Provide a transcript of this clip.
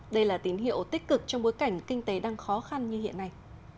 đây là tín hiệu tích cực trong bối cảnh kinh tế đang khó khăn như hiện nay